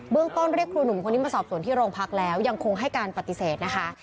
ต้นเรียกครูหนุ่มคนนี้มาสอบส่วนที่โรงพักแล้วยังคงให้การปฏิเสธนะคะ